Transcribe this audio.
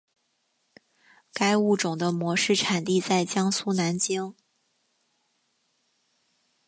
该物种的模式产地在江苏南京。